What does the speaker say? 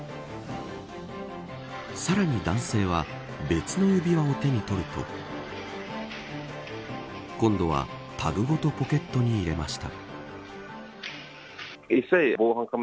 さらに男性は別の指輪を手に取ると今度はタグごとポケットに入れました。